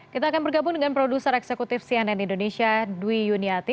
kita akan bergabung dengan produser eksekutif cnn indonesia dwi yuniati